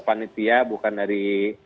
panitia bukan dari